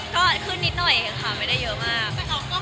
ก็ขึ้นนิดหน่อยเองค่ะไม่ได้เยอะมาก